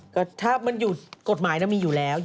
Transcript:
ก็ถ้ามันอยู่อุปกรณ์กฎหมายตั้งแต่มีอยู่แล้ว